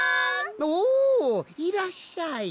おおいらっしゃい。